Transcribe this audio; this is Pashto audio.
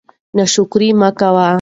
ناشکري مه کوئ.